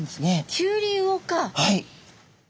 はい。